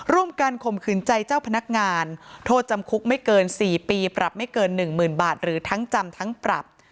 การข่มขืนใจเจ้าพนักงานโทษจำคุกไม่เกิน๔ปีปรับไม่เกิน๑๐๐๐บาทหรือทั้งจำทั้งปรับ